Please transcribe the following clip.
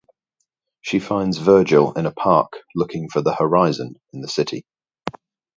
She finds Virgil in a park looking for "the horizon" in the city.